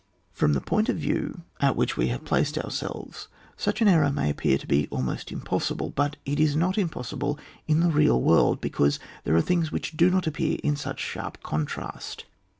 From the point of view at which we have here placed ourselves, such an error may appear to be almost impossible ; but it is not impossible in the real world, because there things do not appear in such sharp contrast.